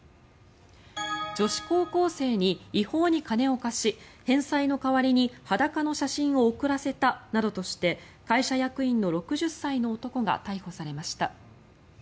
女子高校生に違法に金を貸し返済の代わりに裸の写真を送らせたなどとして会社役員の６０歳の男が逮捕されました。